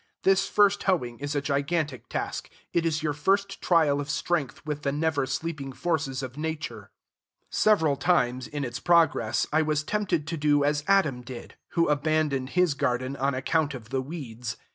This first hoeing is a gigantic task: it is your first trial of strength with the never sleeping forces of Nature. Several times, in its progress, I was tempted to do as Adam did, who abandoned his garden on account of the weeds.